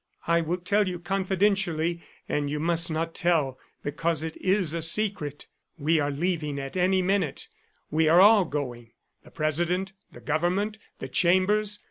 I will tell you confidentially, and you must not tell because it is a secret we are leaving at any minute; we are all going, the President, the Government, the Chambers.